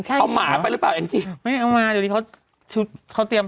เอาหมาไปหรือเปล่าแองจี้ไม่เอามาเดี๋ยวนี้เขาชุดเขาเตรียม